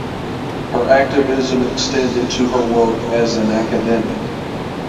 Her activism extended to her work as an academic.